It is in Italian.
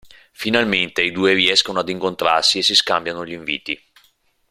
Finalmente i due riescono ad incontrarsi e si scambiano gli inviti.